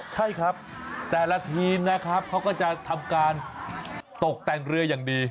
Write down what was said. ใช่ครับแต่ละทีมนะครับเขาก็จะทำการตกแต่งเรืออย่างดี